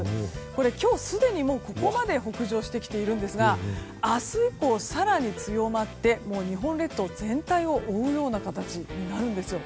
今日、すでにここまで北上してきているんですが明日以降、更に強まって日本列島全体を覆うような形になるんです。